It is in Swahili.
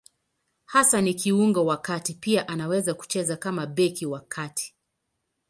Hasa ni kiungo wa kati; pia anaweza kucheza kama beki wa kati.